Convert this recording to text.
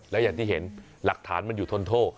แล้วอย่างที่เห็นหลักฐานมันอยู่ทนโทษ